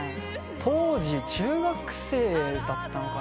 当時中学生だったのかな。